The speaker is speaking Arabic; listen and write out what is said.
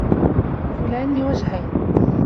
فلان بوجهين